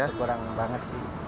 ya kurang banget sih